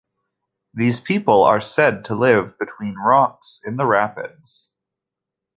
These people are said to live between rocks in the rapids.